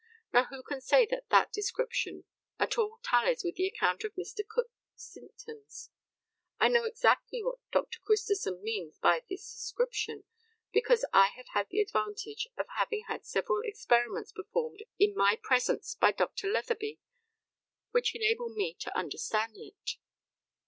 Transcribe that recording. Now, who can say that that description at all tallies with the account of Mr. Cook's symptoms? I know exactly what Dr. Christison means by this description, because I have had the advantage of having had several experiments performed in my presence by Dr. Letheby, which enable me to understand it.